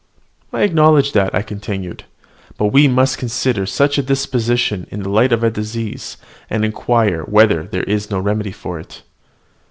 "I acknowledge that," I continued; "but we must consider such a disposition in the light of a disease, and inquire whether there is no remedy for it."